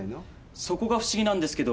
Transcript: そこが不思議なんですけど。